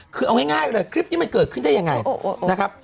คือเอาง่ายเลยคลิปนี้มันเกิดขึ้นได้ยังไงนะครับ